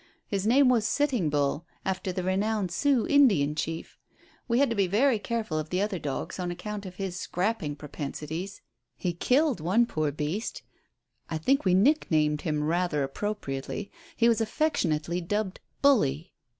His name was 'Sitting Bull,' after the renowned Sioux Indian chief. We had to be very careful of the other dogs on account of his 'scrapping' propensities. He killed one poor beast I think we nicknamed him rather appropriately. He was affectionately dubbed 'Bully.'"